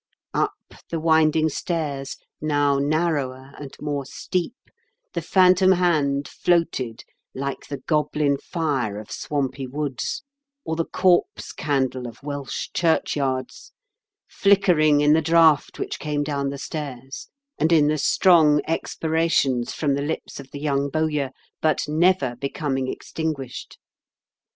Up the winding stairs, now narrower and more steep, the phantom hand floated like the goblin fire of swampy woods, or the corpse candle of "Welsh churchyards, flickering in the draught which came down the stairs, and in the strong expirations from the lips of the young bowyer, but never becoming ex tinguished.